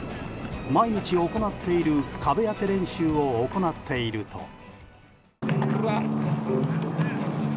毎日行っている壁当て練習を行っていると。